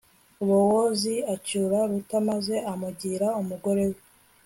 bowozi acyura ruta maze amugira umugore we